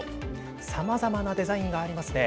さまざまなデザインがありますね。